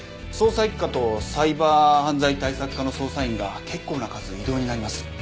捜査一課とサイバー犯罪対策課の捜査員が結構な数異動になります。